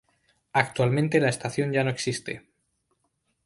Actualmente la estación ya no existe.